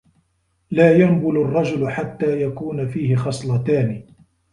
لَا يَنْبُلُ الرَّجُلُ حَتَّى يَكُونَ فِيهِ خَصْلَتَانِ